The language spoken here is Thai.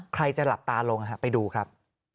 ใครจะหลับตาลงไปดูครับ